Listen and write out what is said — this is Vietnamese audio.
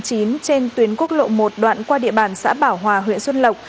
trên tuyến quốc lộ một đoạn qua địa bàn xã bảo hòa huyện xuân lộc